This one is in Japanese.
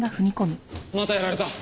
またやられた。